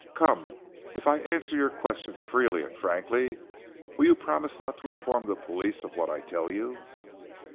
Come, if I answer your questions freely and frankly will you promise not to inform the police of what I tell you?"